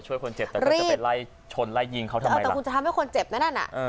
ช่วยคนเจ็บแต่ก็จะเป็นไรชนไล่ยิงเขาทำไมล่ะเออแต่คุณจะทำให้คนเจ็บแน่นอนอ่ะ